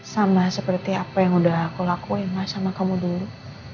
sama seperti apa yang udah aku lakuin mas sama kamu dulu